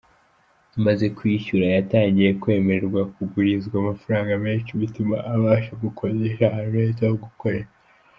Amaze kwishyura, yatangiye kwemererwa kugurizwa amafaranga menshi bituma abasha gukodesha ahantu heza ho gukorera.